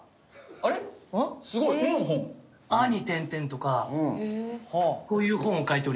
「あ」に点々とかこういう本を書いておりますが。